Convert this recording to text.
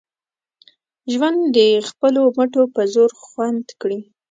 ژوند د خپلو مټو په زور خوند کړي